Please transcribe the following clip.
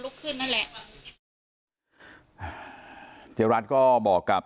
แต่พอเห็นว่าเหตุการณ์มันเริ่มเข้าไปห้ามทั้งคู่ให้แยกออกจากกัน